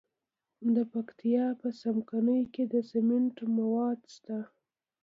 د پکتیا په څمکنیو کې د سمنټو مواد شته.